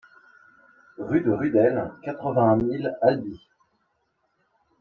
Rue de Rudel, quatre-vingt-un mille Albi